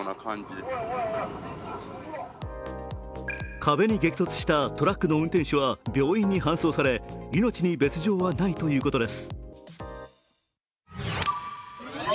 壁に激突したトラックの運転手は病院に搬送され、命に別状はないということです。